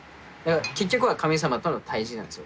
結局は神様との対じなんですよ。